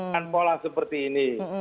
dan pola seperti ini